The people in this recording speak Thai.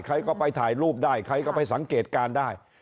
ใครก็ไปถ่ายรูปได้ใครก็ไปสังเกตการณ์ได้